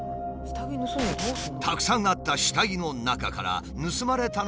たくさんあった下着の中から盗まれたのは僅か数枚。